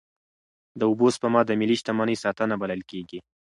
د اوبو سپما د ملي شتمنۍ ساتنه بلل کېږي.